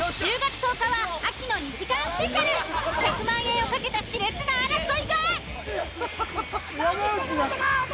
［１００万円を懸けた熾烈な争いが！］